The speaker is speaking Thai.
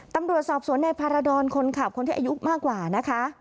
ตำรวจสอบสวนในพารดรคนขับคนที่อายุมากกว่านะคะ